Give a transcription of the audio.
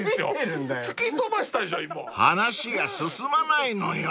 ［話が進まないのよ］